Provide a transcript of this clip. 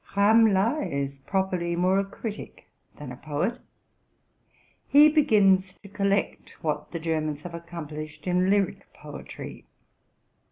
Ramler is properly more a critic than a poet. He begins to collect what the Germans have accomplished in lyric poetry.